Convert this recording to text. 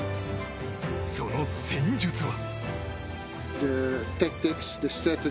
その戦術は。